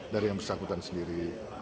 dari yang bersahabatan sendiri